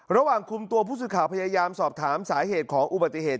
ระหว่างคุมตัวผู้สื่อข่าวพยายามสอบถามสาเหตุของอุบัติเหตุ